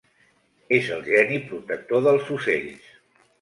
És el geni protector dels ocells.